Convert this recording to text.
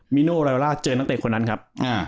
มิโนลาล่าเจอนักเตะคนนั้นครับ